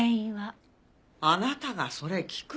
あなたがそれ聞く？